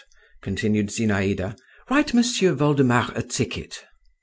continued Zinaïda, "write M'sieu Voldemar a ticket."